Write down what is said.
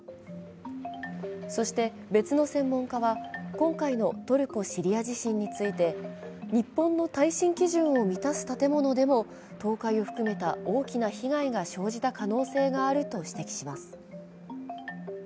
そして、別の専門家は今回のトルコ・シリア地震について日本の耐震基準を満たす建物でも倒壊を含めた大きな被害が生じた可能性があると指摘します。